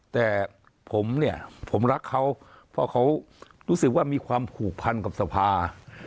แต่ผมเนี่ยผมรักเขาเพราะเขารู้สึกว่ามีความผูกพันกับสภา